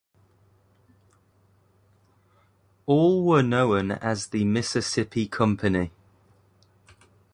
All were known as the Mississippi Company.